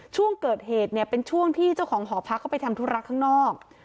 ช่วงเกิดเหตุเนี่ยเป็นช่วงที่เจ้าของหอพักเข้าไปทำธุระข้างนอก